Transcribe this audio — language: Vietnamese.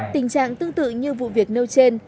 tình trạng tương tự như vụ việc nêu trên